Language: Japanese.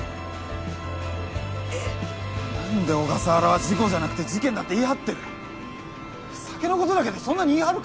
えッ何で小笠原は事故じゃなくて事件だって言い張ってる酒だけでそんなに言い張るか？